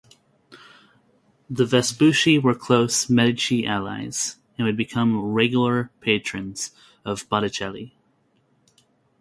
The Vespucci were close Medici allies, and would become regular patrons of Botticelli.